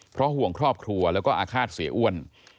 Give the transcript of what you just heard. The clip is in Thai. เพราะห่วงครอบครัวแล้วก็อาฆาตเสียอ้วน